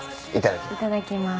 いただきます。